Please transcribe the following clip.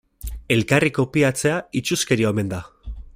Elkarri kopiatzea itsuskeria omen da.